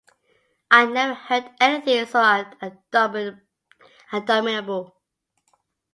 I never heard anything so abominable.